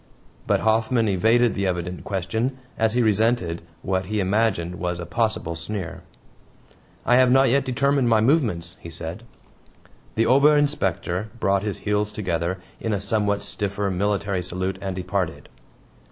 But Hoffman evaded the evident question, as he resented what he imagined was a possible sneer. "I have not yet determined my movements," he said. The Ober Inspector brought his heels together in a somewhat stiffer military salute and departed.